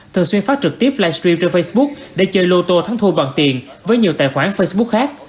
thường xuyên phát trực tiếp livestream trên facebook để chơi lô tô thắng thua bằng tiền với nhiều tài khoản facebook khác